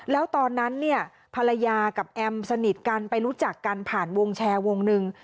แล้วตอนนั้นเนี่ยภรรยากับแอมสนิทกันไปรู้จักกันผ่านวงแชร์วงหนึ่ง